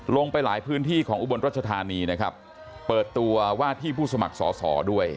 ลงไปหลายพื้นที่ของอุบลรัชธานีนะครับเปิดตัวว่าที่ผู้สมัครสอสอด้วย